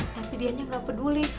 tapi dianya gak peduli